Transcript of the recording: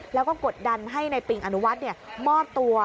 แล้วก็กดดันให้ในปิงอนุวัฒน์มอบตัว